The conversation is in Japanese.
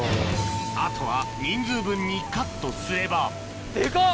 あとは人数分にカットすれば・